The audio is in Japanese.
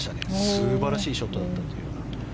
素晴らしいショットだったと。